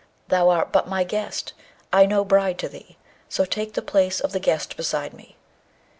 Thou art but my guest, I no bride to thee, so take the place of the guest beside me.'